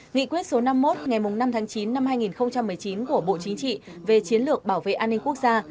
nghị quyết số năm mươi một ngày năm tháng chín năm hai nghìn một mươi chín của bộ chính trị về chiến lược bảo vệ an ninh quốc gia